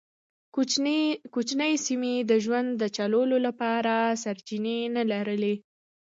کوچنۍ سیمې د ژوند د چلولو لپاره سرچینې نه لرلې.